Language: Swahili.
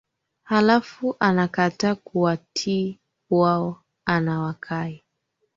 halafu anakata kuwatii wao anawakai